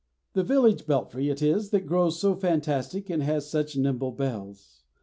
The village belfry it is that grows so fantastic and has such nimble bells.